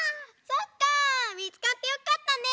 そっかみつかってよかったね！